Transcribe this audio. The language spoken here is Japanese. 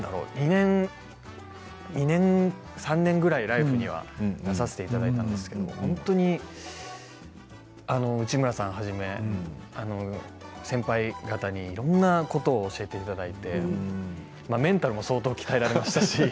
２年３年ぐらい「ＬＩＦＥ！」には出させていただいたんですけれど内村さんはじめ先輩方にいろんなことを教えていただいてメンタルも相当鍛えられましたし。